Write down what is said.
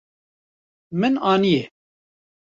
Min aniye.